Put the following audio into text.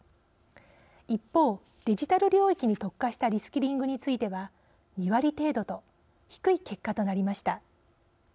一方、デジタル領域に特化したリスキリングについては２割程度と低い結果となりました。